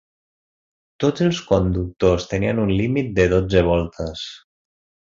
Tots els conductors tenien un límit de dotze voltes.